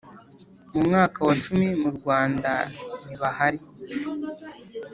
Mu mwaka wa cumi mu Rwanda ntibahari